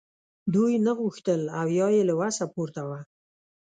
دوی نه غوښتل او یا یې له وسه پورته وه